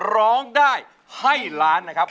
ร้องได้ให้ล้านนะครับ